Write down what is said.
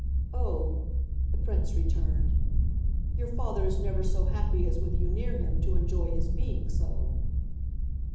"Oh," the Prince returned, "your father's never so happy as with you near him to enjoy his being so."